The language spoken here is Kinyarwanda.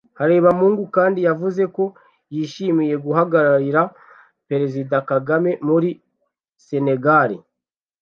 Harebamungu kandi yavuze ko yishimiye guhagararira Perezida Kagame muri Sénégal